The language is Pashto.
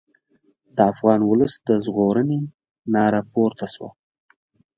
د افغان ولس د ژغورنې ناره پورته شوه.